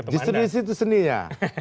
di situ situ sendinya